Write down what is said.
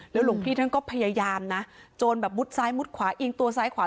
หลวงพี่ท่านก็พยายามนะโจรแบบมุดซ้ายมุดขวาอิงตัวซ้ายขวา